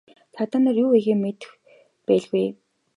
Цагдаа нар юу хийхээ мэдэх байлгүй.